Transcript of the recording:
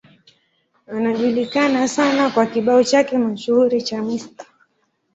Anajulikana sana kwa kibao chake mashuhuri cha Mr.